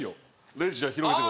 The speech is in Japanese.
礼二じゃあ広げて。